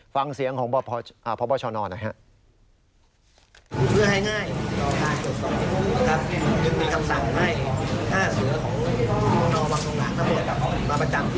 ฟังเสียงของพบชนหน่อยครับ